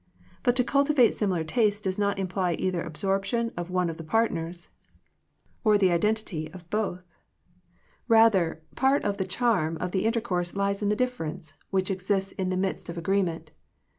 But to cultivate similar tastes does not imply either absorption of one of the partners, or the identity of 45 Digitized by VjOOQIC THE CULTURE OF FRIENDSHIP both. Rather, part of the charm of the intercourse lies in the difference, which exists in the midst of agreement.